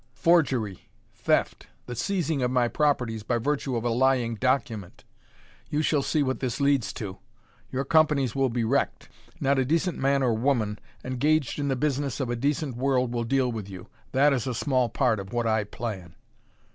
"Forgery! Theft! The seizing of my properties by virtue of a lying document! You shall see what this leads to. Your companies will be wrecked; not a decent man or woman engaged in the business of a decent world will deal with you: that is a small part of what I plan."